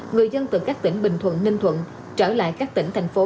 người dân từ các tỉnh bình thuận ninh thuận trở lại các tỉnh thành phố